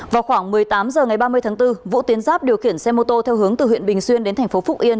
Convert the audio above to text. vào khoảng một mươi tám h ngày ba mươi tháng bốn vũ tiến giáp điều khiển xe mô tô theo hướng từ huyện bình xuyên đến thành phố phúc yên